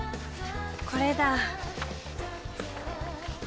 これだ。